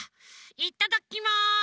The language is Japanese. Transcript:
いただきます！